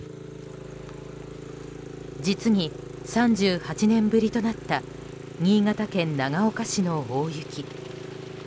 実に３８年ぶりとなった新潟県長岡市の大雪。